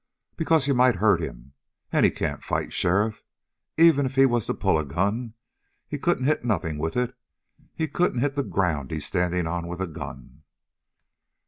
"Because you might hurt him, and he can't fight, sheriff. Even if he was to pull a gun, he couldn't hit nothing with it. He couldn't hit the ground he's standing on with a gun."